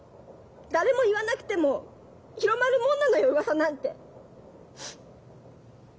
誰も言わなくても広まるもんなのようわさなんて。